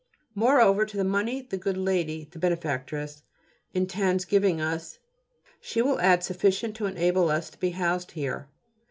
Moreover, to the money the good lady (the benefactress) intends giving us she will add sufficient to enable us to be housed here.